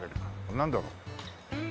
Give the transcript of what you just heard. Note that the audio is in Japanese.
なんだろう？